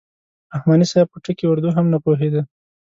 رحماني صاحب په ټکي اردو هم نه پوهېده.